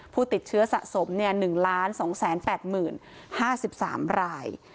ผู้ติดเชื้อสะสมเนี่ย๑๒๘๓๐๐๐ราย